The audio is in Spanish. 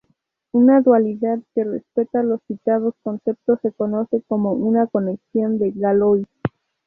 Una dualidad que respeta los citados conceptos se conoce como una conexión de Galois.